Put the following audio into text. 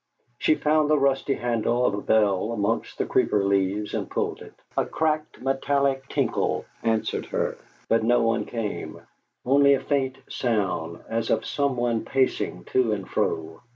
She found the rusty handle of a bell amongst the creeper leaves, and pulled it. A cracked metallic tinkle answered her, but no one came; only a faint sound as of someone pacing to and fro.